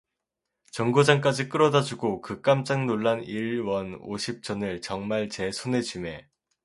정거장까지 끌어다 주고 그 깜짝 놀란 일 원 오십 전을 정말 제 손에 쥠에